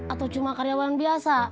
atau cuma karyawan biasa